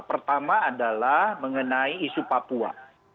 pertama adalah mengenai isu papua